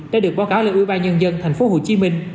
đã được báo cáo lên ubnd tp hcm